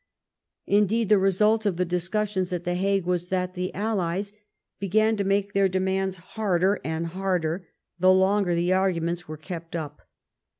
Indeed, the result of the disr cussions at The Hague was that the allies began to make their demands harder and harder the longer the argu ment was kept up.